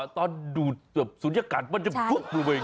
ตอนดูสักครบศุกร์ในยากาศมันจะพวกลงไปอยู่